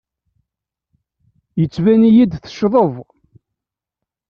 Yettban-iyi-d teccḍeḍ.